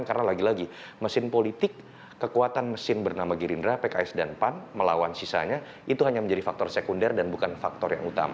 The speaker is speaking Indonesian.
karena lagi lagi mesin politik kekuatan mesin bernama girinda pks dan pan melawan sisanya itu hanya menjadi faktor sekunder dan bukan faktor yang utama